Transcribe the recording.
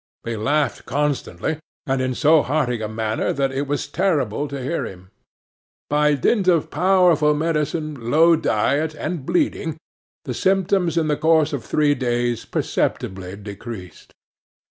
He laughed constantly, and in so hearty a manner that it was terrible to hear him. By dint of powerful medicine, low diet, and bleeding, the symptoms in the course of three days perceptibly decreased.